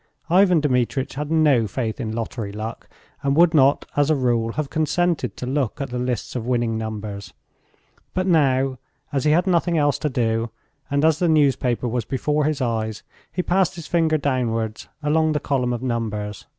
Ivan Dmitritch had no faith in lottery luck, and would not, as a rule, have consented to look at the lists of winning numbers, but now, as he had nothing else to do and as the newspaper was before his eyes, he passed his finger downwards along the column of numbers.